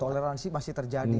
toleransi masih terjadi itu